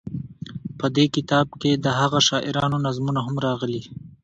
په دې کتاب کې دهغه شاعرانو نظمونه هم راغلي.